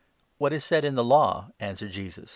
What is said in the Law ?" answered Jesus.